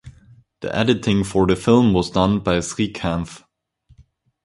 The editing for the film was done by Srikanth.